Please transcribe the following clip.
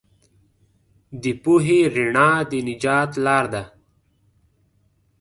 د پوهې رڼا د نجات لار ده.